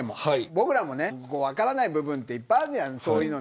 僕らも分からない部分いっぱいあるじゃん、そういうの。